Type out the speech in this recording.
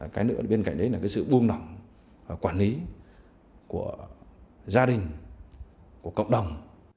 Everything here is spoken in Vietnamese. cái nữa bên cạnh đấy là cái sự buông lỏng quản lý của gia đình của cộng đồng